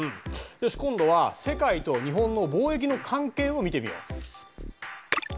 よし今度は世界と日本の貿易の関係を見てみよう。